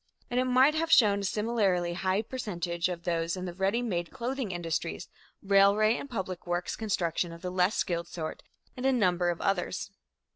And it might have shown a similarly high percentage of those in the ready made clothing industries, railway and public works construction of the less skilled sort, and a number of others.